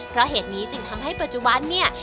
เพราะเหตุนี้จึงทำให้ปัจจุบันเนี่ย